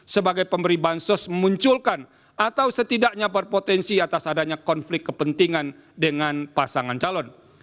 sebagai pemberi bansos memunculkan atau setidaknya berpotensi atas adanya konflik kepentingan dengan pasangan calon